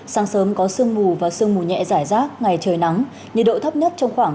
sáng sớm có sương mù và sương mù nhẹ giải rác ngày trời nắng nhiệt độ thấp nhất trong khoảng